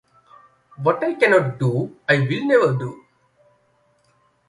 What I cannot do, I will never do.